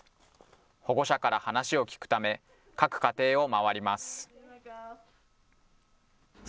保護者から話を聞くため、各家庭を回ります。